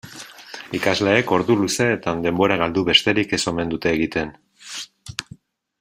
Ikasleek ordu luzeetan denbora galdu besterik ez omen dute egin.